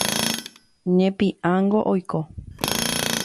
Ñepiãngo oiko.